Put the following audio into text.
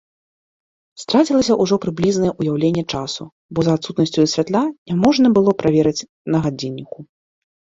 Страцілася ўжо прыблізнае ўяўленне часу, бо за адсутнасцю святла няможна было праверыць на гадзінніку.